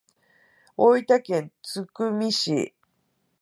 大分県津久見市